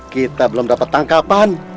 kita belum dapat tangkapan